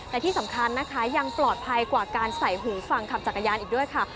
แต่ที่สำคัญนะคะยังปลอดภัยกว่าการใส่หูฟังขับจักรยานอีกด้วยค่ะ